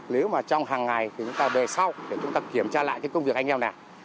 nếu mà trong hàng ngày chúng ta đợi sau để chúng ta kiểm tra lại công việc anh em nào